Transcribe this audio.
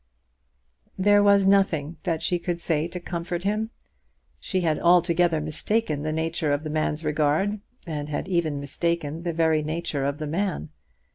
There was nothing that she could say to comfort him. She had altogether mistaken the nature of the man's regard, and had even mistaken the very nature of the man.